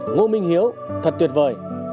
ngô minh hiếu thật tuyệt vời